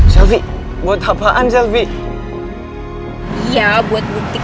soalnya bokap gue tuh bakalan gak percaya kalau misalnya gue kasih foto lo doang sendiri